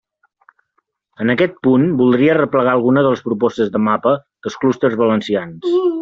En aquest punt, voldria arreplegar alguna de les propostes de mapa dels clústers valencians.